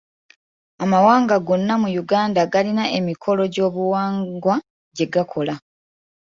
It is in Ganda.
Amawanga gonna mu Uganda galina emikolo gy'obuwangwa gye gakola.